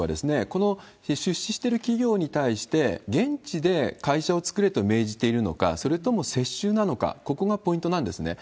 この出資してる企業に対して、現地で会社を作れと命じているのか、それとも接収なのか、ここがポイントなんですね。